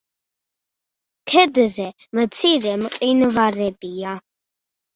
ქედზე მცირე მყინვარებია.